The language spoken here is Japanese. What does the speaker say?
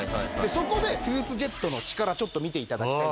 そこでトゥースジェットの力ちょっと見て頂きたいんですけど。